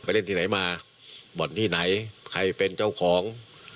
ไปเล่นที่หนายมาบ่นที่หนายใครเป็นเจ้าของ